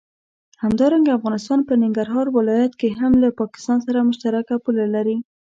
همدارنګه افغانستان په ننګرهار ولايت کې هم له پاکستان سره مشترکه پوله لري.